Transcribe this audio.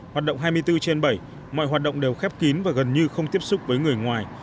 hoạt động hai mươi bốn trên bảy mọi hoạt động đều khép kín và gần như không tiếp xúc với người ngoài